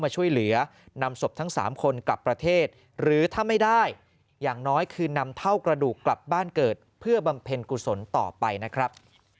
สวัสดีครับ